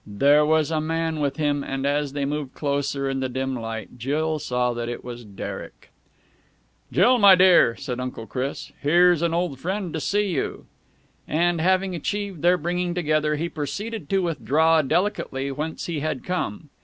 There was a man with him, and, as they moved closer in the dim light, Jill saw that it was Derek. "Jill, my dear," said Uncle Chris, "here is an old friend to see you!" And, having achieved their bringing together, he proceeded to withdraw delicately whence he had come.